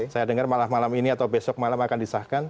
saya dengar malam malam ini atau besok malam akan disahkan